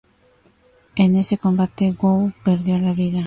En ese combate Gou perdió la vida.